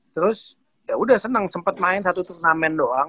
terus ya udah seneng sempat main satu turnamen doang